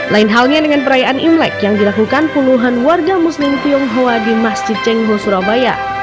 lain halnya dengan perayaan imlek yang dilakukan puluhan warga muslim tionghoa di masjid cengho surabaya